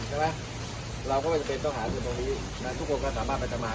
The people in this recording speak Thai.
ใช่ไหมเราก็ไม่จำเป็นต้องหาเรื่องตรงนี้นะทุกคนก็สามารถไปทำอาหาร